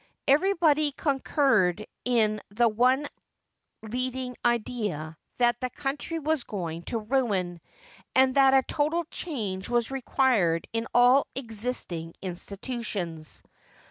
Everybody concurred in the one leading idex that the country was going to ruin, and that a total change was required in all existing institutions.